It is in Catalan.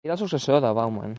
Era el successor de Vauban.